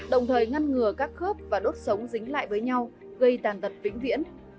đồng thời ngăn ngừa các khớp và đốt sống dính lại với nhau gây tàn tật vĩnh viễn